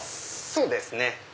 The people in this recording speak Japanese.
そうですね。